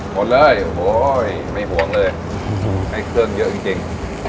หมดเลยโอ้ยไม่ห่วงเลยให้เครื่องเยอะจริง